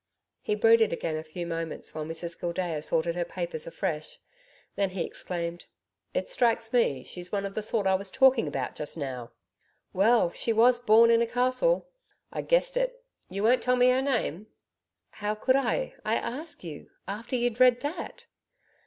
He brooded again a few moments, while Mrs Gildea sorted her papers afresh; then he exclaimed: 'It strikes me, she's one of the sort I was talking about just now.' 'Well, she WAS born in a castle.' 'I guessed it.... You won't tell me her name?' 'How could I I ask you? After you'd read that!'